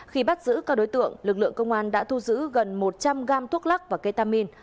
khi bắt giữ các đối tượng lực lượng công an đã thu giữ gần một trăm linh gam thuốc lắc và ketamin